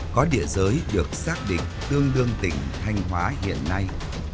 có địa giới được xác định tương đương tỉnh thanh hóa hiện nay